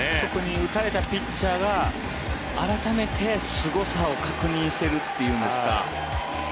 打たれたピッチャーが改めてすごさを確認しているというんですか